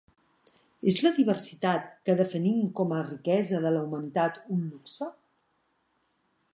És la diversitat, que definim com a riquesa de la humanitat, un luxe?